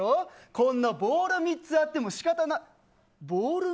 こんなボール３つあっても仕方な。